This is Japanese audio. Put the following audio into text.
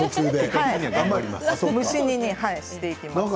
蒸し煮にしていきます。